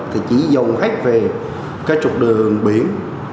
thì chỉ dồn khách về cái trục đường biển